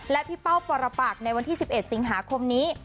และพี่เป้าปรปักในวันที่๑๑สิงหาคมนี้